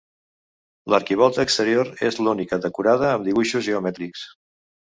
L'arquivolta exterior és l'única decorada amb dibuixos geomètrics.